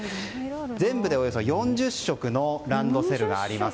全部で、およそ４０色のランドセルがあります。